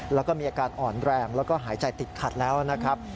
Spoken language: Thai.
แล้วก็มีอาการอ่อนแรงแล้วก็หายใจติดขัดแล้วนะครับ